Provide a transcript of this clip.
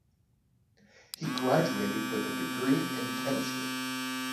He graduated with a degree in chemistry.